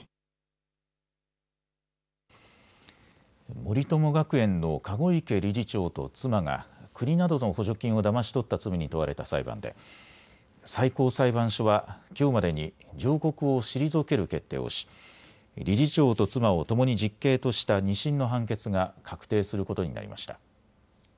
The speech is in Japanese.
森友学園の籠池理事長と妻が国などの補助金をだまし取った罪に問われた裁判で最高裁判所はきょうまでに上告を退ける決定をし理事長と妻をともに実刑とした２審の判決が確定することになりました。